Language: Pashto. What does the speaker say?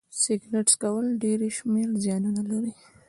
سيګرټ څکول ډيری شمېر زيانونه لري